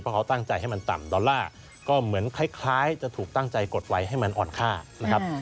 เพราะเขาตั้งใจให้มันต่ำดอลลาร์ก็เหมือนคล้ายจะถูกตั้งใจกดไว้ให้มันอ่อนค่านะครับ